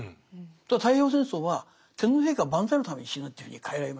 太平洋戦争は天皇陛下万歳のために死ぬというふうに変えられましたよね。